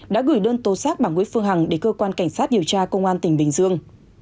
đã gửi đơn tố xác bà nguyễn phương hằng để cơ quan cảnh sát điều tra công an tỉnh bình dương